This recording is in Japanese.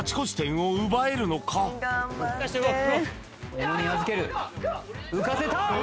小野に預ける浮かせた！